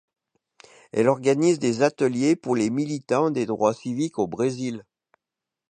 Elle organise des ateliers pour les militants des droits civiques au Brésil.